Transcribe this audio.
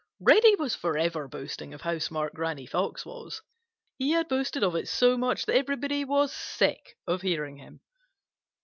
Reddy was forever boasting of how smart Granny Fox was. He had boasted of it so much that everybody was sick of hearing him.